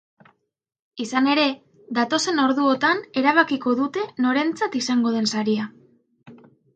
Izan ere, datozen orduotan erabakiko dute norentzat izango den saria.